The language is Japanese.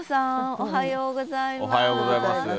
おはようございます。